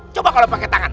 coba kalau pakai tangan